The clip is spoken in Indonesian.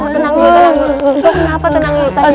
ustadz kenapa tenang